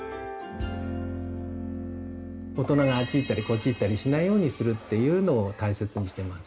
大人があっち行ったりこっち行ったりしないようにするっていうのを大切にしてます。